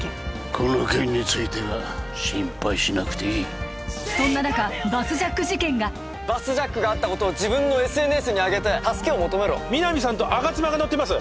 この件については心配しなくていいそんな中バスジャック事件がバスジャックがあったことを自分のＳＮＳにあげて助けを求めろ皆実さんと吾妻が乗っています